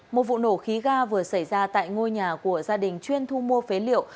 một vụ nổ khí ga vừa xảy ra tại ngôi nhà của gia đình chuyên thu mua phế liệu